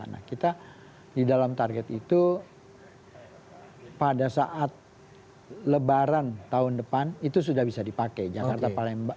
nah kita di dalam target itu pada saat lebaran tahun depan itu sudah bisa dipakai jakarta palembang